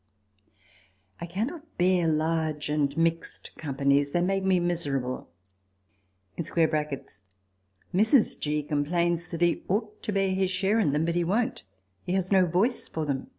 I cannot bear large and mixed companies ; they make me miserable. [Mrs. G. complains that he ought to bear his share in them ; but he won't ; he has no voice for them.